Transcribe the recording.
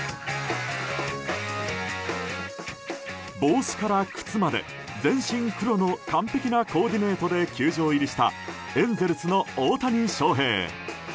帽子から靴まで全身黒の完璧なコーディネートで球場入りしたエンゼルスの大谷翔平。